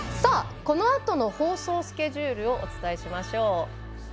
このあとの放送スケジュールをお伝えしましょう。